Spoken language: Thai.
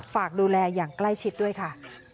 ฝากดูแลอย่างใกล้ชิดด้วยค่ะ